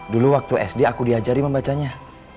dulu waktu sd aku diajari membacanya